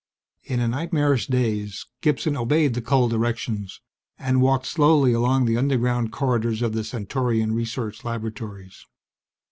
In a nightmarish daze, Gibson obeyed the cold directions, and walked slowly along the underground corridors of the Centaurian research laboratories.